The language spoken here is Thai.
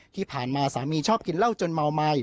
ที่ผ่านมาสามีชอบกินเหล้าจนเมาไม้